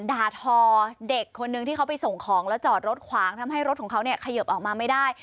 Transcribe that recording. ด่าทอเด็กคนนึงที่เขาไปส่งของแล้วจอดรถขวางทำให้รถของเขาเนี่ยเขยิบออกมาไม่ได้